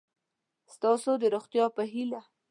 ستاسو د روغتیا په هیله